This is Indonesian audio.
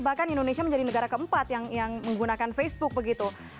bahkan indonesia menjadi negara keempat yang menggunakan facebook begitu